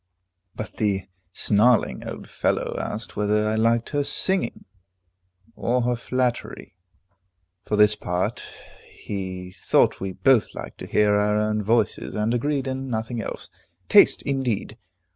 But the snarling old fellow asked whether I liked her singing, or her flattery? For his part, he thought we both liked to hear our own voices, and agreed in nothing else. Taste, indeed!